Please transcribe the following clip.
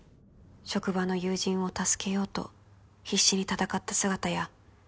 「職場の友人を助けようと必死に戦った姿や」